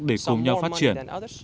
để cùng nhau phát triển